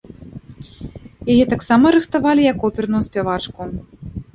Яе таксама рыхтавалі як оперную спявачку.